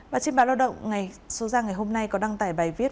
bà trinh bảo lao động ngày hôm nay có đăng tải bài viết